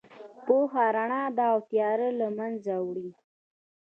پوهه رڼا ده او تیاره له منځه وړي.